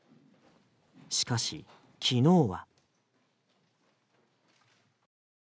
しかし、昨日は。